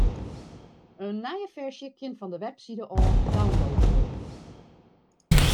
In nije ferzje kin fan de website ôf download wurde.